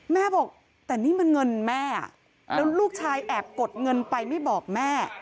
แม่บอกแต่นี่มันเงินแม่แล้วลูกชายแอบกดเงินไปไม่บอกแม่